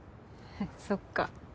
そっか。